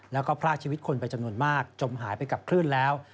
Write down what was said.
แล้วก็พรากชีวิตคนไปจำนวนมากจมหายไปกับคลื่นแล้ว